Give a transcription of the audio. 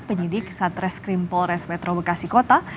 penyidik satreskrim polres metro bekasi kota